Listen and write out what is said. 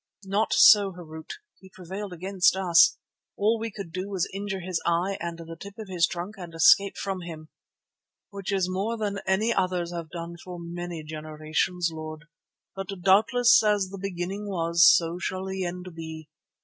"Not so, Harût. He prevailed against us; all we could do was to injure his eye and the tip of his trunk and escape from him." "Which is more than any others have done for many generations, Lord. But doubtless as the beginning was, so shall the end be.